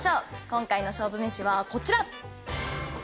今回の勝負飯はこちら！